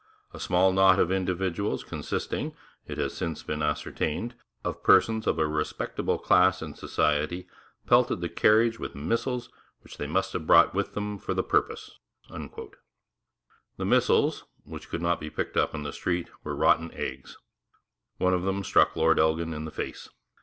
A small knot of individuals consisting, it has since been ascertained, of persons of a respectable class in society, pelted the carriage with missiles which they must have brought with them for the purpose.' The 'missiles' which could not be picked up in the street were rotten eggs. One of them struck Lord Elgin in the face.